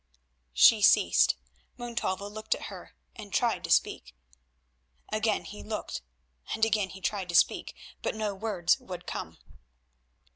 She ceased. Montalvo looked at her and tried to speak. Again he looked and again he tried to speak, but no words would come.